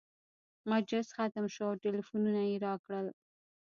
مجلس ختم شو او ټلفونونه یې راکړل.